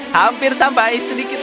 hihihi hampir sampai sedikit